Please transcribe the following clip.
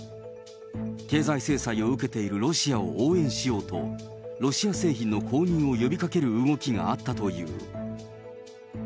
経済制裁を受けているロシアを応援しようと、ロシア製品の購入を呼びかける動きがあったという。